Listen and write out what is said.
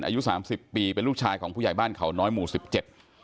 อายุสามสิบปีเป็นลูกชายของผู้ใหญ่บ้านเขาน้อยหมู่สิบเจ็ด